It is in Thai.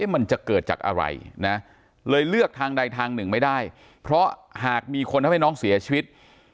มันจะเกิดจากอะไรนะเลยเลือกทางใดทางหนึ่งไม่ได้เพราะหากมีคนทำให้น้องเสียชีวิต